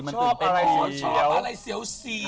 ชอบอะไรเสี่ยว